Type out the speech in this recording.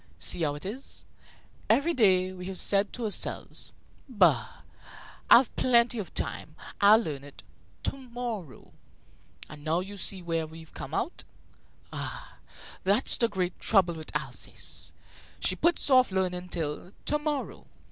See how it is! Every day we have said to ourselves: 'Bah! I've plenty of time. I'll learn it to morrow.' And now you see where we've come out. Ah, that's the great trouble with Alsace; she puts off learning till to morrow.